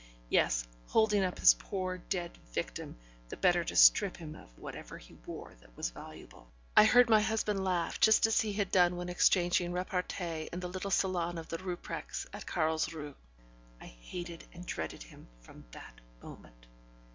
Yes, holding up his poor dead victim, the better to strip him of whatever he wore that was valuable, I heard my husband laugh just as he had done when exchanging repartees in the little salon of the Rupprechts at Carlsruhe. I hated and dreaded him from that moment.